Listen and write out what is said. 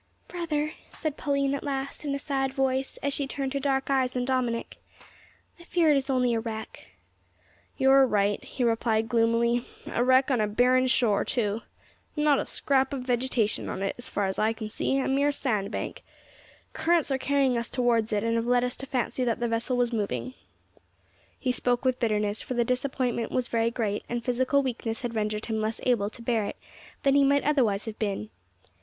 "Brother," said Pauline at last in a sad voice, as she turned her dark eyes on Dominick, "I fear it is only a wreck." "You are right," he replied gloomily; "a wreck on a barren shore, too. Not a scrap of vegetation on it, as far as I can see a mere sandbank. Currents are carrying us towards it, and have led us to fancy that the vessel was moving." He spoke with bitterness, for the disappointment was very great, and physical weakness had rendered him less able to bear it than he might otherwise have been.